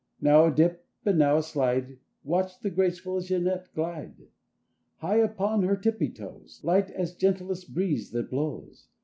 Now a dip and now a slide— Watch the graceful Jeanette glide! High upon her tippy toes, Light as gentlest breeze that blows.